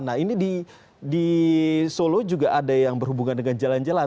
nah ini di solo juga ada yang berhubungan dengan jalan jalan